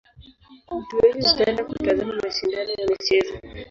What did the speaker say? Watu wengi hupenda kutazama mashindano ya michezo.